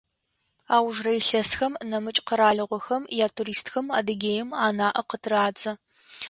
Аужрэ илъэсхэм нэмыкӏ къэралыгъохэм ятуристхэм Адыгеим анаӏэ къытырадзэ.